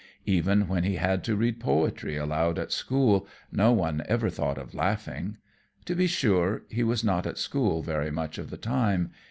Even when he had to read poetry aloud at school, no one ever thought of laughing. To be sure, he was not at school very much of the time.